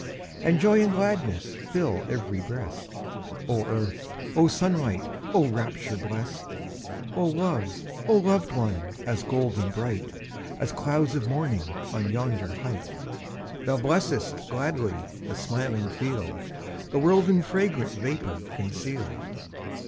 And joy and gladness Fill ev'ry breast! Oh earth! oh sunlight! Oh rapture blest! Oh love! oh loved one! As golden bright, As clouds of morning On yonder height! Thou blessest gladly The smiling field, The world in fragrant Vapour conceal'd.